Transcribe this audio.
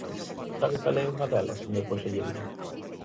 ¿Sabe cal é unha delas, señor conselleiro?